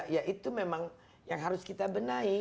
ya itu memang yang harus kita benahi